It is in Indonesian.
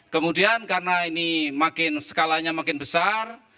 kemudian karena ini makin skalanya makin besar